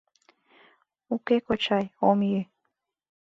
— Уке, кочай, ом йӱ.